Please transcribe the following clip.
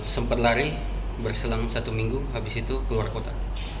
sempat lari berselang satu minggu habis itu keluar kota